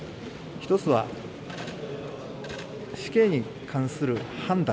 １つは、死刑に関する判断。